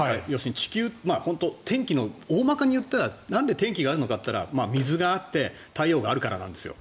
地球っていうのは本当、天気の大まかに言ったら何で天気があるかって言ったら水があって太陽があるからなんですよ。